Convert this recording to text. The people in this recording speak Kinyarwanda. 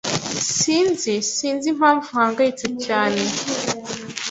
Sinzi Sinzi impamvu uhangayitse cyane.